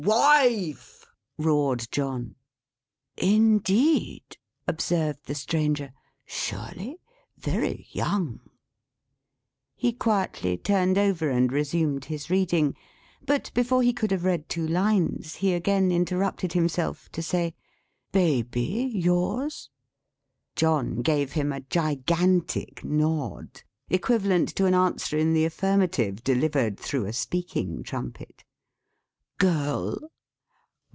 "Wife," roared John. "Indeed?" observed the Stranger. "Surely? Very young!" He quietly turned over, and resumed his reading. But, before he could have read two lines, he again interrupted himself, to say: "Baby, yours?" John gave him a gigantic nod; equivalent to an answer in the affirmative, delivered through a speaking trumpet. "Girl?"